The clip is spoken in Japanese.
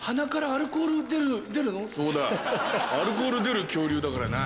アルコール出る恐竜だからな。